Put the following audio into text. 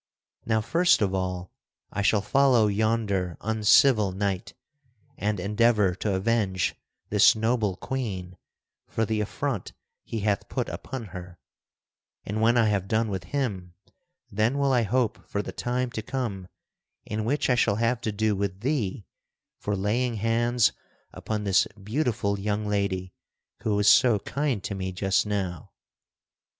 Now, first of all I shall follow yonder uncivil knight and endeavor to avenge this noble Queen for the affront he hath put upon her, and when I have done with him, then will I hope for the time to come in which I shall have to do with thee for laying hands upon this beautiful young lady who was so kind to me just now.